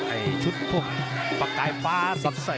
ไอ้ชุดพวกประกายฟ้าสิบสัย